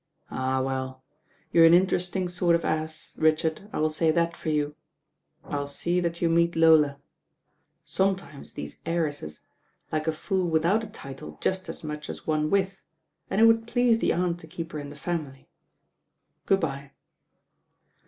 "Ah, well! you're an interesting sort of ass, Richard, I will say that for you. I'll see that you meet Lola. Sometimes these heiresses like a fool without a title just as much as one with, and it would please the Aunt to keep her in the family Good bye."